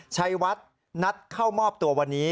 ชัยวัดนัดเข้ามอบตัววันนี้